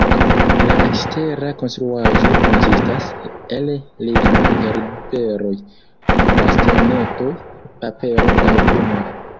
La ekstera konstruaĵo konsistas el lignaj herberoj, bastonetoj, papero kaj plumoj.